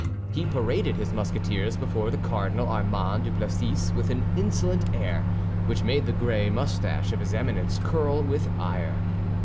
He paraded his Musketeers before the Cardinal Armand Duplessis with an insolent air which made the gray moustache of his Eminence curl with ire.